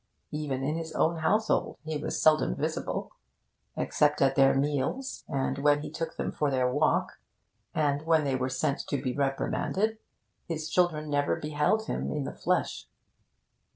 Even in his own household he was seldom visible. Except at their meals, and when he took them for their walk, and when they were sent to him to be reprimanded, his children never beheld him in the flesh.